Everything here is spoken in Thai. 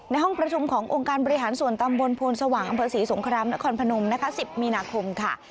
ห้องประชุมขององค์การบริหารส่วนตำบลโพนสว่างอำเภอศรีสงครามนครพนมนะคะ๑๐มีนาคมค่ะ